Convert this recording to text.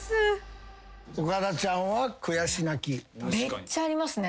めっちゃありますね。